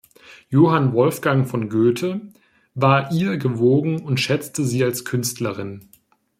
Johann Wolfgang von Goethe war ihr gewogen und schätzte sie als Künstlerin.